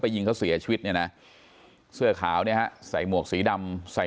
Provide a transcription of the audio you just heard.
ยิงเขาเสียชีวิตเนี่ยนะเสื้อขาวเนี่ยฮะใส่หมวกสีดำใส่